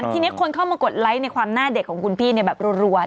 ทีนี้คนเข้ามากดไลค์ในความหน้าเด็กของคุณพี่แบบรัว